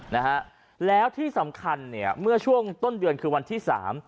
นะฮะแล้วที่สำคัญเนี่ยเมื่อช่วงต้นเดือนคือวันที่สาม